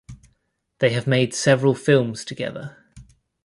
They have made several films together.